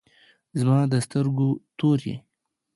زما د سترګو تور یی